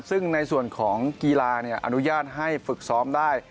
ซึ่งในส่วนของกีฬาอนุญาตให้ฝึกซ้อมได้